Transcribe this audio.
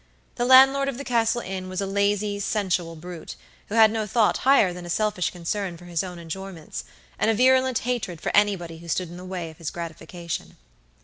The landlord of the Castle Inn was a lazy, sensual brute, who had no thought higher than a selfish concern for his own enjoyments, and a virulent hatred for anybody who stood in the way of his gratification.